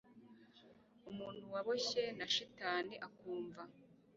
umuntu waboshye na shitani, akumva